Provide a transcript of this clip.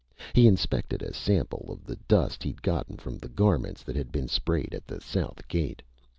He inspected a sample of the dust he'd gotten from the garments that had been sprayed at the south gate.